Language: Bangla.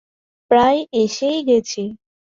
প্রায় এসেই গেছি।